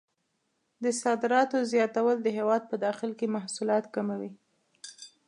د صادراتو زیاتول د هېواد په داخل کې محصولات کموي.